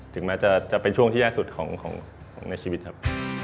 ถึงแม้จะเป็นช่วงที่แย่สุดของในชีวิตครับ